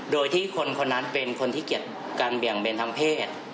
โดยที่คนคนนั้นเป็นคนขี้เกียจการเบี่ยงเบนทางเพศ